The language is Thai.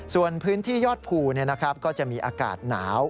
ส่วนพื้นที่ยอดภูก็จะมีอากาศหนาว